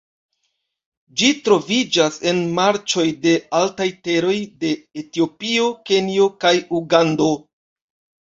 Ĝi troviĝas en marĉoj de altaj teroj de Etiopio, Kenjo kaj Ugando.